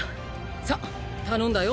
さぁ頼んだよ